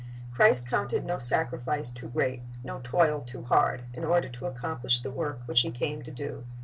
^ Christ counted no sacrifice too great, no toil too hard, in order to accomplish the work which He came to do.